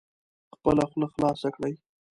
خپله خوله خلاصه کړئ